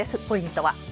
ポイントは。